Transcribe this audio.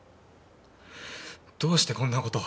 どうしてこんな事。